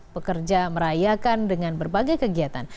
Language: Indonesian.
pekerja merayakan dengan berbagai kegiatan